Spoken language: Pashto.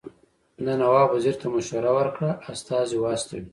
ده نواب وزیر ته مشوره ورکړه استازي واستوي.